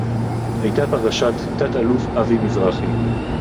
היתה פרשת תת-אלוף אבי מזרחי